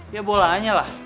ya bolanya lah